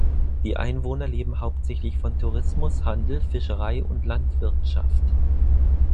Die Einwohner leben hauptsächlich von Tourismus, Handel, Fischerei und Landwirtschaft.